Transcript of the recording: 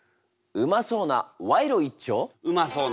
うまそうな賄賂一丁！